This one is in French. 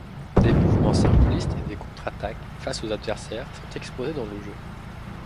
Des mouvements simplistes et des contre-attaques face aux adversaires sont exposés dans le jeu.